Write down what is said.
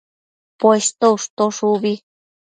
Poshto ushtosh ubi